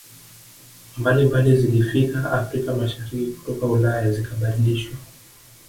mbalimbali zilifika Afrika Mashariki kutoka Ulaya zikabadilishwa